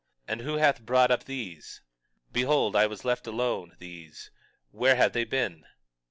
And who hath brought up these? Behold, I was left alone; these, where have they been?